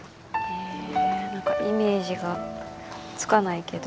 え何かイメージがつかないけど。